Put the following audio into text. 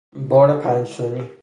بار پنج تنی